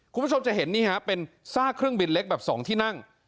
คุณผู้ชมจะเห็นนี่ฮะเป็นซากเครื่องบินเล็กแบบ๒ที่นั่ง